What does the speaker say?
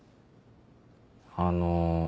あの。